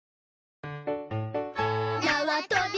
なわとび